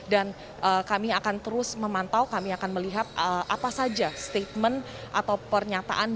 dan kami akan terus memantau kami akan melihat apa saja statement atau pernyataan